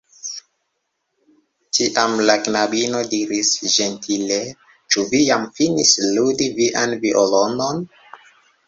Tiam la knabino diris ĝentile: "Ĉu vi jam finis ludi vian violonon?"